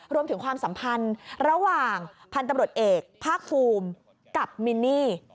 รวมถึงความสัมพันธ์ระหว่างพันธบรรดเอกภาคฟูมิกับมินนี่